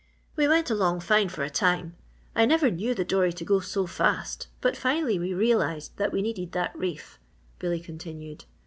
"We went along fine for a time. I never knew the dory to go so fast but finally we realised that we needed that reef," Billy continued.